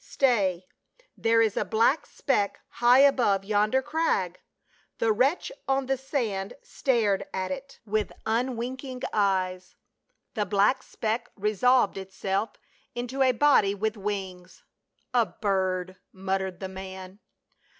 Stay, there is a black speck high above yonder crag ! The wretch on the sand .stared at it 4 o« PAUL. with unwinking eyes. The black speck resolved itself into a body with wings. "A bird," muttered the man.